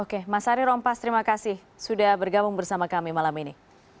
oke mas ari rompas terima kasih sudah bergabung bersama kami malam ini